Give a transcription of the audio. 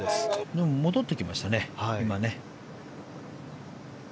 でも戻ってきましたね今。